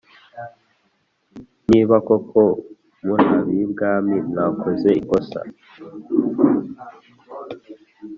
niba koko murabibwami mwakoze ikosa